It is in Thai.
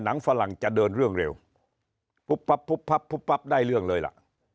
หนังฝรั่งจะเดินเรื่องเร็วพุบพับพุบพับพุบพับได้เรื่องเลยล่ะ